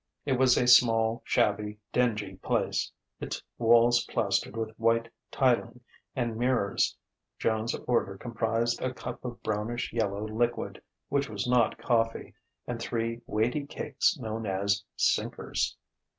It was a small, shabby, dingy place, its walls plastered with white tiling and mirrors. Joan's order comprised a cup of brownish yellow liquid, which was not coffee, and three weighty cakes known as "sinkers."